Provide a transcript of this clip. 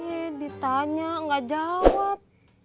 eh ditanya gak jawab